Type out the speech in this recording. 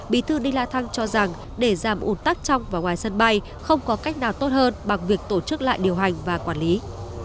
bí thư đi la thăng cho rằng để giảm ủn tắc trong và ngoài sân bay không có cách nào tốt hơn bằng việc tổ chức lại điều hành và quản lý